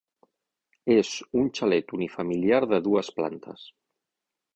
És un xalet unifamiliar de dues plantes.